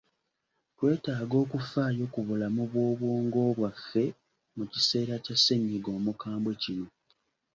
twetaaga okufaayo ku bulamu bw'obwongo bwaffe mu kiseera kya ssennyiga omukambwe kino.